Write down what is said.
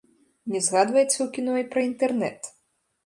Не згадваецца ў кіно і пра інтэрнэт.